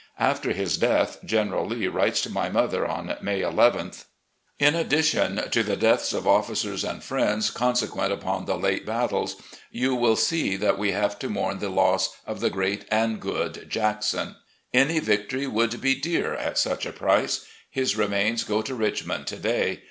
After his death. General Lee writes to my mother, on May nth: .. In addition to the deaths of officers and friends consequent upon the late battles, you will see that we have to mourn the loss of the great and good Jackson. Any victory woffid be dear at such a price. His remains go to Richmond to day.